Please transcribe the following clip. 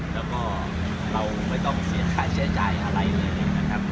แล้วก็เราไม่ต้องเสียค่าเสียใจอะไรเลยนะครับ